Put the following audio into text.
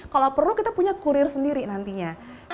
kalau perlu kita punya kurir sendiri nantinya